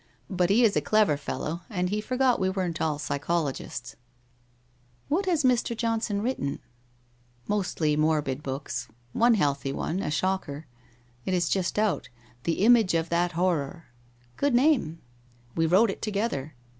But he is a clever fellow, and he forgot we weren't all psychologists/ ' What has Mr. Johnson written ?'' Mostly morbid books, one healthy one, a shocker. It is just out, " The Image of that Horror." ' 1 Good name/ 'We wrote it together.